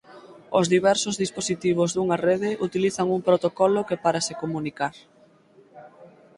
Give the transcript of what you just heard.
Os diversos dispositivos dunha rede utilizan un protocolo que para se comunicar.